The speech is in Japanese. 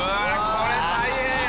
これ大変よ！